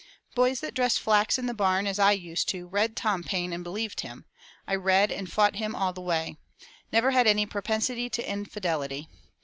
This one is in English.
Boys that dressed flax in the barn, as I used to, read Tom Paine and believed him; I read and fought him all the way. Never had any propensity to infidelity.